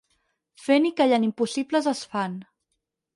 Fent i callant impossibles es fan.